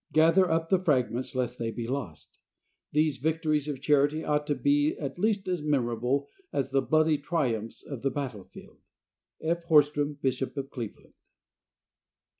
Gather up the fragments lest they be lost. These victories of charity ought to be at least as memorable as the bloody triumphs of the battlefield. Ign. F. Horstmann, Bishop of Cleveland.